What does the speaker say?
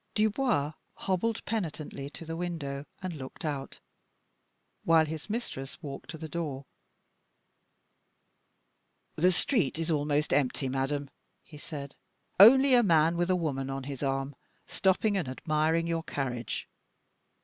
Dubois hobbled penitently to the window and looked out, while his mistress walked to the door. "The street is almost empty, madame," he said. "Only a man with a woman on his arm, stopping and admiring your carriage.